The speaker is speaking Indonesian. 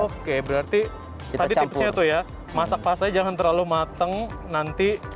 oke berarti tadi tipsnya tuh ya masak pasnya jangan terlalu mateng nanti